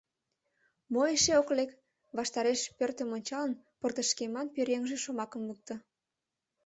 — Мо эше ок лек? — ваштареш пӧртым ончалын, портышкеман пӧръеҥже шомакым лукто.